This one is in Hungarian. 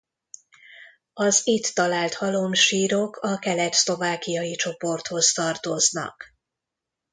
Az itt talált halomsírok a kelet-szlovákiai csoporthoz tartoznak.